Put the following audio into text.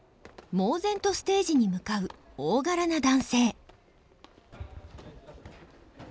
猛然とステージに向かう大柄な男性。